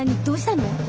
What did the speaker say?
どうしたの？